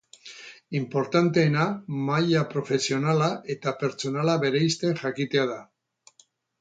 Inportanteena maila profesionala eta pertsonala bereizten jakitea da.